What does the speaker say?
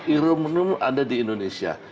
irum irum ada di indonesia